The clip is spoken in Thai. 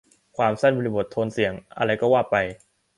ความสั้น บริบท โทนเสียง อะไรก็ว่าไป